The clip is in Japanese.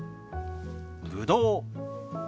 ぶどう。